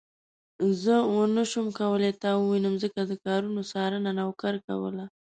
زه ونه شوم کولای تا ووينم ځکه د کارونو څارنه نوکر کوله.